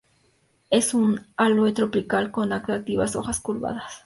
Es un aloe tropical con atractivas hojas curvadas.